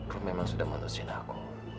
ruh memang sudah memutuskan aku